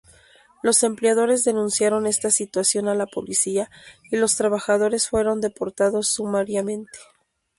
Los empleadores denunciaron esta situación a la policía y los trabajadores fueron deportados sumariamente.